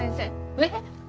えっ？